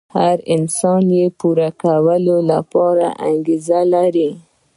هر انسان يې د پوره کولو لپاره انګېزه لري.